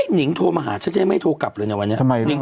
นิงโทรมาหาฉันจะยังไม่โทรกลับเลยนะวันนี้